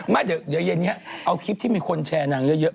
มาเย็นนี่เอาคลิปที่มีคนแชร์นางเยอะ